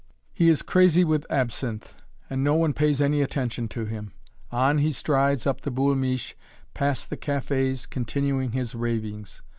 He is crazy with absinthe, and no one pays any attention to him. On he strides up the "Boul' Miche," past the cafés, continuing his ravings.